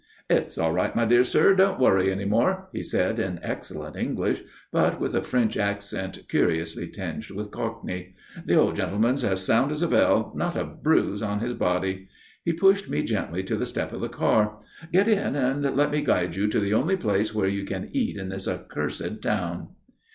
"It's all right, my dear sir. Don't worry any more," he said in excellent English, but with a French accent curiously tinged with Cockney. "The old gentleman's as sound as a bell not a bruise on his body." He pushed me gently to the step of the car. "Get in and let me guide you to the only place where you can eat in this accursed town."